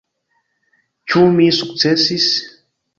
Ĉu mi sukcesis?